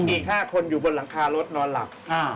อีก๕คนอยู่บนหลังคารถนอนหลับ